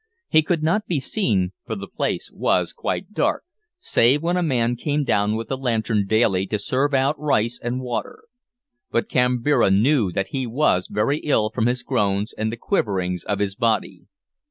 He could not be seen, for the place was quite dark, save when a man came down with a lantern daily to serve out rice and water; but Kambira knew that he was very ill from his groans and the quiverings of his body.